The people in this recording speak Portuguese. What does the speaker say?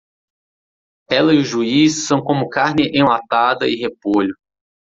Ela e o juiz são como carne enlatada e repolho.